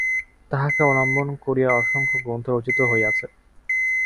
তাঁহাকে অবলম্বন করিয়া অসংখ্য গ্রন্থ রচিত হইয়াছে।